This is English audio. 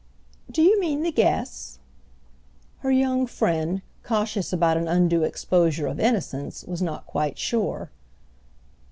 "Do you mean the guests?" Her young friend, cautious about an undue exposure of innocence, was not quite sure.